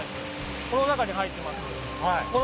この中に入ってます。